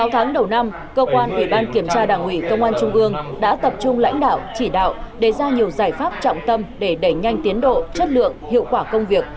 sáu tháng đầu năm cơ quan ủy ban kiểm tra đảng ủy công an trung ương đã tập trung lãnh đạo chỉ đạo đề ra nhiều giải pháp trọng tâm để đẩy nhanh tiến độ chất lượng hiệu quả công việc